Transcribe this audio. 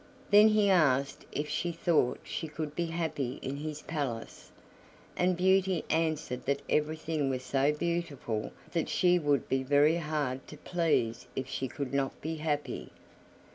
Then he asked if she thought she could be happy in his palace; and Beauty answered that everything was so beautiful that she would be very hard to please if she could not be happy.